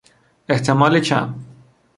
احتمال کم